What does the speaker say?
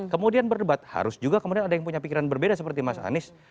kemudian berdebat harus juga kemudian ada yang punya pikiran berbeda seperti mas anies